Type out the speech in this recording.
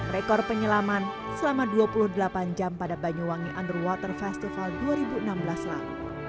rekor penyelaman selama dua puluh delapan jam pada banyuwangi underwater festival dua ribu enam belas lalu